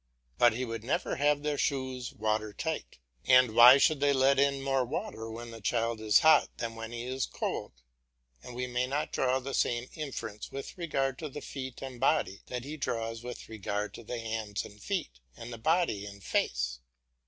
But he would never have their shoes water tight; and why should they let in more water when the child is hot than when he is cold, and may we not draw the same inference with regard to the feet and body that he draws with regard to the hands and feet and the body and face?